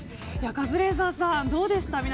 カズレーザーさん、どうでした。